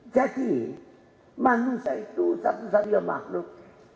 jadi manusia itu satu satunya makhluk